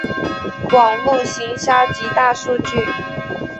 网路行销及大数据